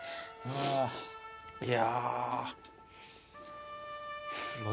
いや。